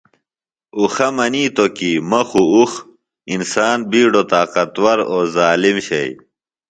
اُخہ منیتوۡ کیۡ ”مہ خوۡ اُخ“ انسان بیڈوۡ طاقتور اوۡ ظالم شئی